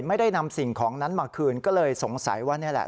ไม่ได้นำสิ่งของนั้นมาคืนก็เลยสงสัยว่านี่แหละ